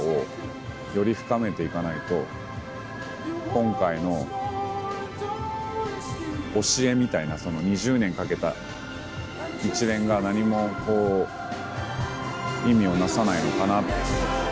今回の教えみたいなその２０年かけた一連が何もこう意味をなさないのかな。